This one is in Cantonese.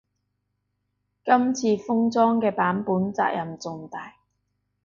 今次封裝嘅版本責任重大